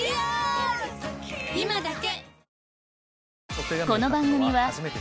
今だけ！